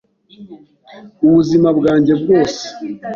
ubuzima bwanjye bwose!”